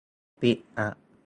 ปิดอ่ะ